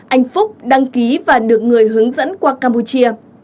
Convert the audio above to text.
anh phúc đăng ký và được người hướng dẫn qua campuchia